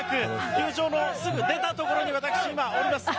球場のすぐ出たところに私、おります。